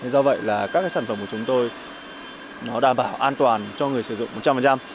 do vậy là các cái sản phẩm của chúng tôi nó đảm bảo an toàn cho người sử dụng một trăm linh